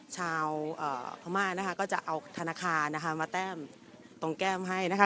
ชาวพม่านะคะก็จะเอาธนาคารนะคะมาแต้มตรงแก้มให้นะคะ